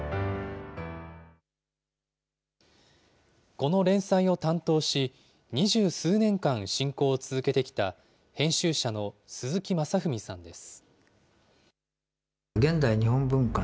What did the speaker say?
この連載を担当し、二十数年間親交を続けてきた、編集者の鈴木正文さんです。